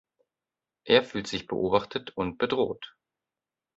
Er fühlt sich beobachtet und bedroht.